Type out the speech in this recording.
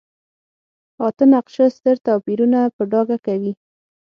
اته نقشه ستر توپیرونه په ډاګه کوي.